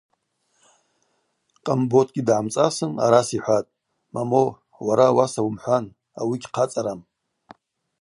Къамботгьи дгӏамцӏасын араса йхӏватӏ: Момо, уара ауаса уымхӏван, ауи гьхъацӏарам.